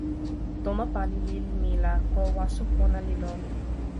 tomo pali lili mi la ko waso pona li lon.